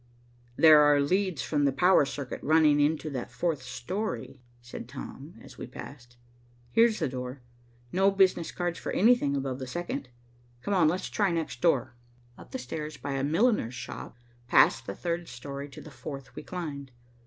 "There are leads from the power circuit running into the fourth story," said Tom, as we passed. "Here's the door. No business cards for anything above the second. Come on, let's try next door." Up the stairs by a milliner's shop, past the third story, to the fourth, we climbed.